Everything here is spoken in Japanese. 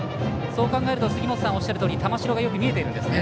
そう考えると杉本さんがおっしゃるとおり玉城がよく見えているんですね。